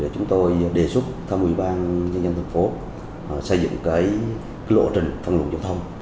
chúng tôi đề xuất tham ủy ban nhân dân thành phố xây dựng lộ trình phân luận giao thông